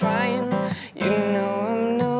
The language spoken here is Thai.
เฮ้ยยันอยว่า